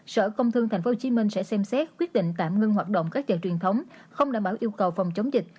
sở công thương tp hcm sẽ xem xét quyết định tạm ngưng hoạt động các chợ truyền thống không đảm bảo yêu cầu phòng chống dịch